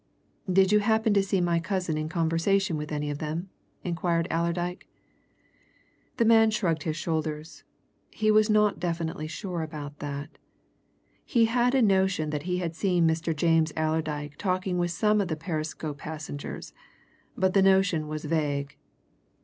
"Did you happen to see my cousin in conversation with any of them?" inquired Allerdyke. The manager shrugged his shoulders. He was not definitely sure about that; he had a notion that he had seen Mr. James Allerdyke talking with some of the Perisco passengers, but the notion was vague.